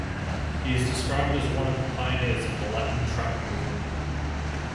He is described as one of the pioneers of the Latin trap movement.